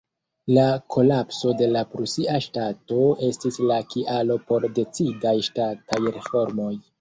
La kolapso de la prusia ŝtato estis la kialo por decidaj ŝtataj reformoj.